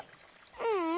ううん。